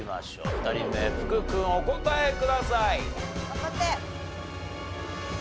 ２人目福君お答えください。頑張って！